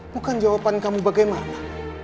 bukan jawaban kamu bagaimana